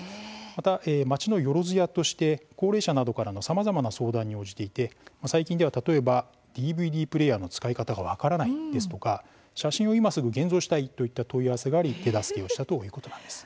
また、町のよろず屋として高齢者などからのさまざまな相談に応じていて、最近では例えば、ＤＶＤプレーヤーの使い方が分からない、ですとか写真を今すぐ現像したいといった問い合わせがあり手助けをしたということなんです。